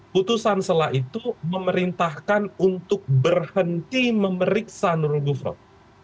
putusan selah itu memerintahkan untuk berhenti memeriksa nurul gufron